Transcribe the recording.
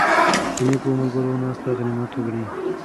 د نېکو ملګرو ناسته غنیمت وګڼئ.